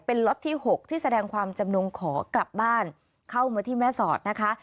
เป็นล็อตที่๖ที่แสดงความจำนงขอกลับบ้านเข้ามาที่แม่สอดนะคะ